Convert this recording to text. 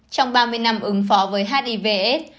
trong ba mươi năm ứng phó với hiv aids